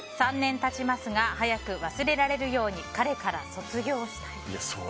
３年経ちますが早く忘れられるように彼から卒業したいです。